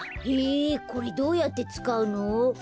へえこれどうやってつかうの？